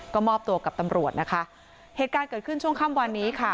ก็มอบตัวกับตำรวจนะคะเหตุการณ์เกิดขึ้นช่วงค่ำวันนี้ค่ะ